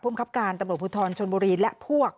พุ่มครับการตำรวจพุทธรชลบุรีและพวก